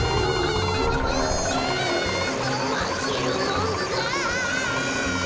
まけるもんか。